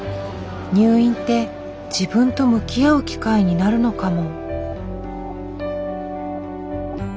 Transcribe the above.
入院って自分と向き合う機会になるのかも。